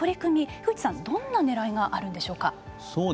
樋口さん、どんなねらいがあるんでしょうか。